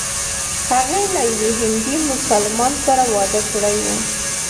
هغې له یوه هندي مسلمان سره واده کړی و.